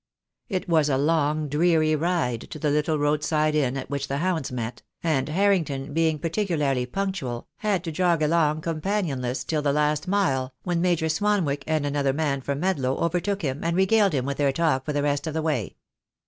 It was a long, dreary ride to the little roadside inn at which the hounds met, and Harrington being parti cularly punctual, had to jog along companionless till the last mile, when Major Swanwick and another man from Medlow overtook him and regaled him with their talk for the rest of the way.